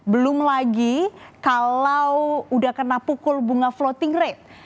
belum lagi kalau udah kena pukul bunga floating rate